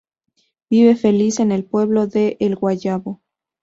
Vive feliz en el pueblo de El Guayabo.